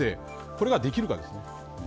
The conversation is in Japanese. これができるかです。